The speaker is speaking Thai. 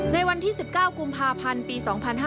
ในวันที่๑๙กุมภาพันธ์ปี๒๕๕๙